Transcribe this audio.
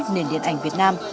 nền điện ảnh việt nam